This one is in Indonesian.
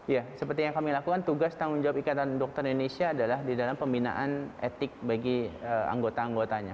ya seperti yang kami lakukan tugas tanggung jawab ikatan dokter indonesia adalah di dalam pembinaan etik bagi anggota anggotanya